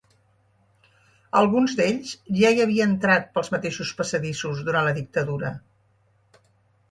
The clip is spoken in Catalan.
Alguns d’ells, ja hi havia entrat pels mateixos passadissos durant la dictadura.